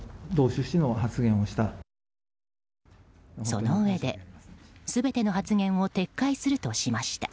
そのうえで全ての発言を撤回するとしました。